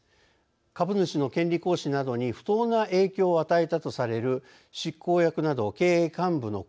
株主の権利行使などに不当な影響を与えたとされる執行役など経営幹部の行動